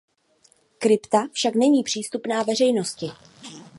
Krypta však není přístupná veřejnosti.